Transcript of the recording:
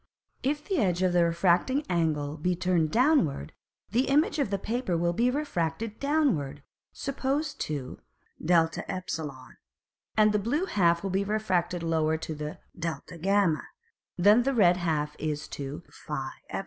If the Edge of the refracting Angle be turned downward, the Image of the Paper will be refracted downward; suppose to [Greek: de], and the blue half will be refracted lower to [Greek: dg] than the red half is to [Greek: pe].